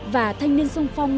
và thanh niên song phong